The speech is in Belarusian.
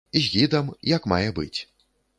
З гідам, як мае быць.